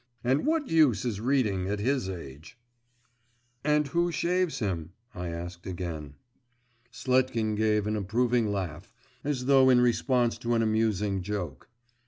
… And what use is reading at his age.' 'And who shaves him?' I asked again. Sletkin gave an approving laugh, as though in response to an amusing joke.